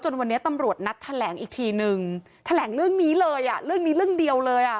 วันนี้ตำรวจนัดแถลงอีกทีนึงแถลงเรื่องนี้เลยอ่ะเรื่องนี้เรื่องเดียวเลยอ่ะ